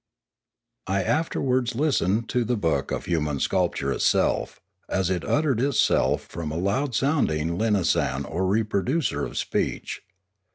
I afterwards listened to the book of Human Sculpture itself, as it uttered itself from a loud sounding linasan or reproducer of speech.